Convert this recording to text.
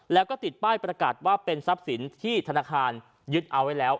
แล้วก็ติดป้ายประกาศว่าเป็นทรัพย์สินที่ธนาคารยึดเอาไว้แล้ว